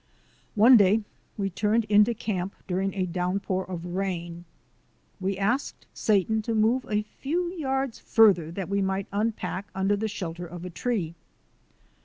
One day we turned into camp during a downpour of rain. We asked Satan to move a few yards farther that we might unpack under the shelter of a tree.